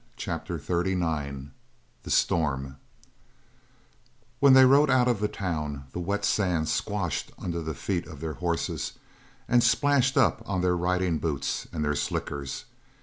CHAPTER XXXIX THE STORM When they rode out of the town the wet sand squashed under the feet of their horses and splashed up on their riding boots and their slickers.